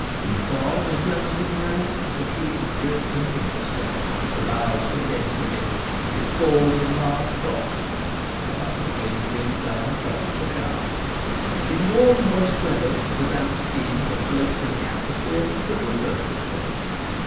In fog as well as in rain the trees drip con tinuously ; the boughs condense the mist and it falls in large drops — a puff of wind brings down a tropical shower. In warm moist weather the damp steam that floats in the atmosphere is the reverse of pleasant.